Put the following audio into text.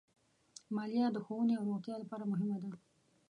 مالیه د ښوونې او روغتیا لپاره مهمه ده.